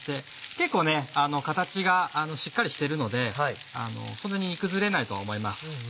結構ね形がしっかりしてるのでそんなに崩れないと思います。